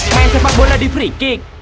main sepak bola di free kick